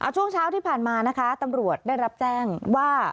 ช่วงเช้าที่ผ่านมานะคะตำรวจได้รับแจ้งว่า